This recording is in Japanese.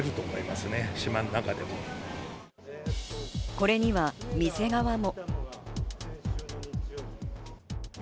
これには店側も。